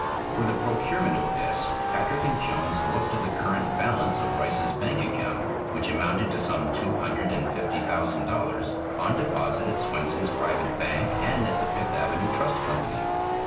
For the procurement of this Patrick and Jones looked to the current balance of Rice's bank account, which amounted to some two hundred and fifty thousand dollars on deposit at Swenson's private bank and at the Fifth Avenue Trust Company.